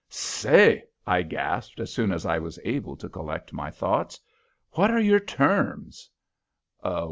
"Say," I gasped, as soon as I was able to collect my thoughts, "what are your terms?"